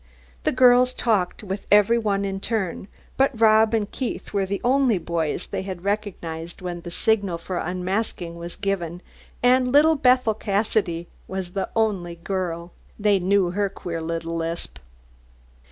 The girls talked with every one in turn, but Rob and Keith were the only boys they had recognised when the signal for unmasking was given, and little Bethel Cassidy was the only girl. They knew her queer little lisp.